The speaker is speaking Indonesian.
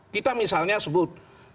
kita misalnya sebut